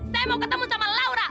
saya mau ketemu sama laura